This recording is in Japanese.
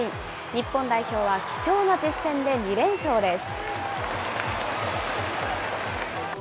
日本代表は貴重な実戦で２連勝です。